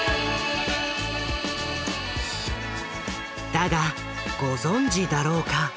だがご存じだろうか？